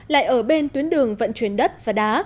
lại ở bên tuyến đường vận chuyển đất và đá